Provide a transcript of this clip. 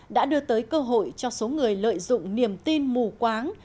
đã đưa tới cơ hội cho số người lợi dụng niềm tin mù quáng